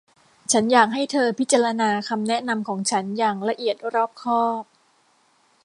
ฉันอยากให้เธอพิจารณาคำแนะนำของฉันอย่างละเอียดรอบคอบ